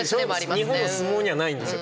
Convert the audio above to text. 日本の相撲にはないんですよ。